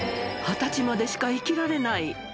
２０歳までしか生きられない。